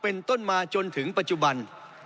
เป็นต้นมาจนถึงปัจจุบัน